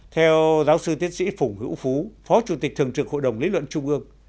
theo giáo sư tiến sĩ phùng hữu phú phó chủ tịch thường trực hội đồng lý luận trung ương